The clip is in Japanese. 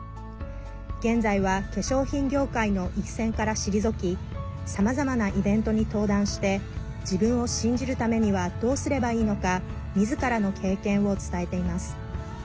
現在は化粧品業界の一線から退きさまざまなイベントに登壇して自分を信じるためにはどうすればいいのかみずからの経験を伝えています。